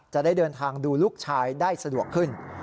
จะได้เดินทางดูลูกชายได้สะดวกขึ้น